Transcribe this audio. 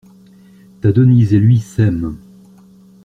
Ta Denise et lui s'aiment!